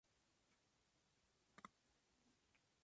Une entreprise apporte au client un produit ou un service.